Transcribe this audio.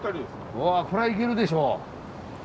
うわこれはいけるでしょう。